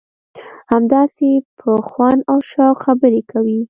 همداسې په خوند او په شوق خبرې کوي.